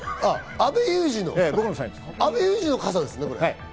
阿部祐二の傘ですね？